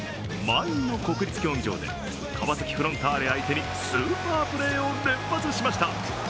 満員の国立競技場で川崎フロンターレ相手にスーパープレーを連発しました。